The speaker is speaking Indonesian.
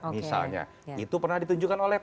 misalnya itu pernah ditunjukkan oleh